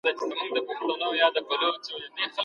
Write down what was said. موږ د لسیانو ډلي جوړ وو.